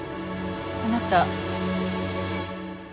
あなた誰？